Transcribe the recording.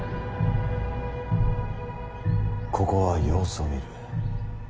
ここは様子を見る。